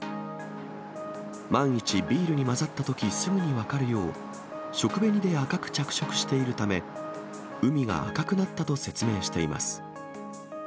万一、ビールに混ざったとき、すぐに分かるよう、食紅で赤く着色しているため海が赤くなったと説明しています。